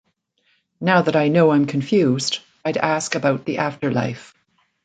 Now that I know I'm confused, I'd ask about the afterlife